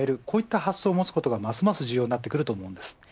こういった発想を持つことがますます重要になってくると思います。